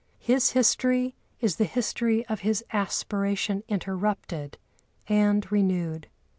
His history is the history of his aspiration interrupted and renewed.